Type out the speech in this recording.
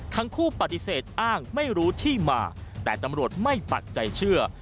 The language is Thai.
ทั้งคู่ปฏิเสธอ้างไม่รู้ที่มาแต่ตำรวจไม่ปักใจเชื่อ